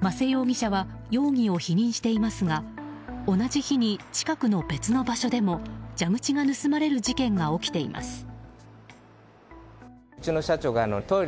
間瀬容疑者は容疑を否認していますが同じ日に近くの別の場所でも蛇口が盗まれる事件が起きています。